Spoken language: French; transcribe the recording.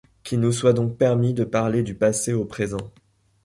Qu’il nous soit donc permis de parler du passé au présent.